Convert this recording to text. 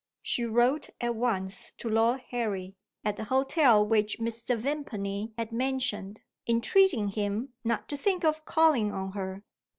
She wrote at once to Lord Harry, at the hotel which Mr. Vimpany had mentioned, entreating him not to think of calling on her.